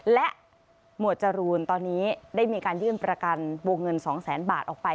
และหมวดจรูนตอนนี้ได้มีการยื่นประกันวงเงิน๒แสนบาทออกไป